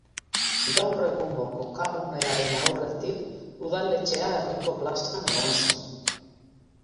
Gaur egungo kokagunearen aurretik, udaletxea herriko plazan egon zen.